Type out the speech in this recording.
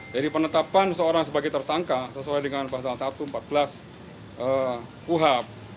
jadi penetapan seorang sebagai tersangka sesuai dengan pasal satu empat belas uhap